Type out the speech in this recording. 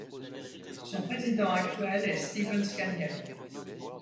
Son président actuel est Stephen Scanniello.